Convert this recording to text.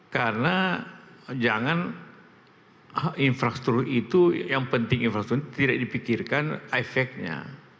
karena jangan infrastruktur itu yang penting infrastruktur itu tidak dipikirkan efeknya